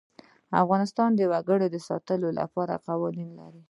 افغانستان د وګړي د ساتنې لپاره قوانین لري.